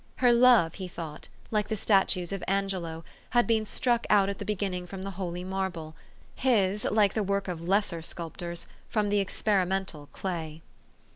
Her love, he thought, like the statues of Angelo, had been struck out at the beginning from the holy marble ; his, like the work of lesser sculptors, from the experimental clay.